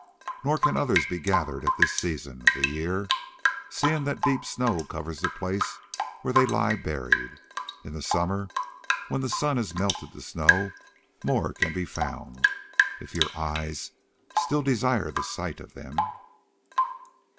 Nor can others be gathered at this season of the year, seeing that deep snow covers the place where they lie buried. In the summer, when the sun has melted the snow, more can be found, if your eyes still desire the sight of them."